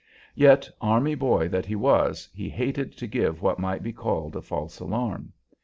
Yet, army boy that he was, he hated to give what might be called a false alarm.